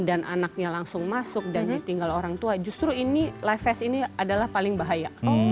dan anaknya langsung masuk dan ditinggal orang tua justru ini life vest ini adalah paling bahaya